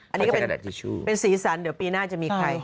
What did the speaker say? อันนี้ก็เป็นสีสันเดี๋ยวปีหน้าจะมีใคร